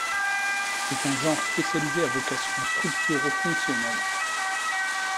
C'est un genre spécialisé à vocation structuro-fonctionnelle.